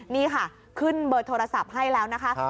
นี่ค่ะขึ้นเบอร์โทรศัพท์ให้แล้วนะคะ